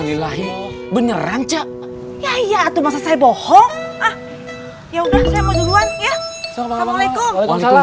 pindah ke beneran cek ya iya atau masa saya bohong ya udah saya mau duluan ya sama alaikum